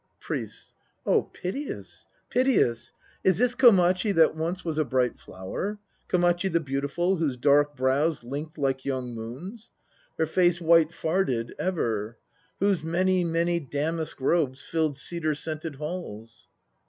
PRIESTS. Oh piteous, piteous! Is this Komachi that once Was a bright flower, Komachi the beautiful, whose dark brows Linked like young moons ; Her face white f arded ever ; Whose many, many damask robes Filled cedar scented halls?